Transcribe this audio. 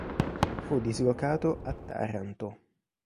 Fu dislocato a Taranto.